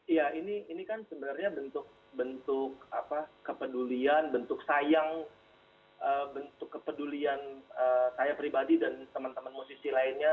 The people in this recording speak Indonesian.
iya ini kan sebenarnya bentuk bentuk kepedulian bentuk sayang bentuk kepedulian saya pribadi dan teman teman musisi lainnya